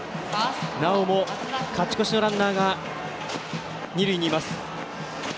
なおも勝ち越しのランナーが二塁にいます。